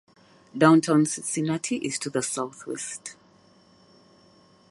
Downtown Cincinnati is to the southwest.